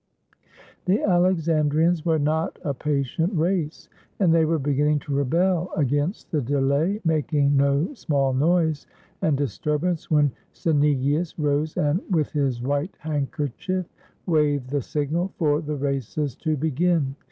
The Alexandrians were not a patient race, and they were beginning to rebel against the delay, making no small noise and disturbance, when Cynegius rose and with his white handkerchief waved the signal for the races to begin.